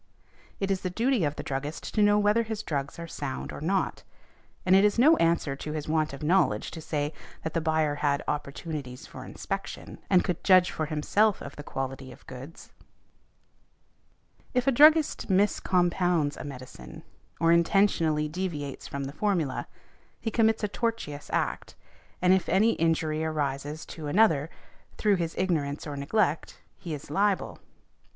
It is the duty of the druggist to know whether his drugs are sound or not, and it is no answer to his want of knowledge to say, that the buyer had opportunities for inspection, and could judge for himself of the quality of goods . If a druggist miscompounds a medicine, or intentionally deviates from the formula, he commits a tortious act, and |179| if any injury arises to another through his ignorance or neglect he is liable.